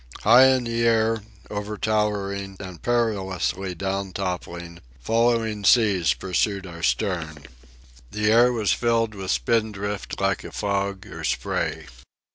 High in the air, over towering and perilously down toppling, following seas pursued our stern. The air was filled with spindrift like a fog or spray.